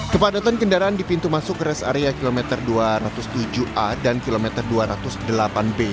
kepadatan kendaraan di pintu masuk rest area kilometer dua ratus tujuh a dan kilometer dua ratus delapan b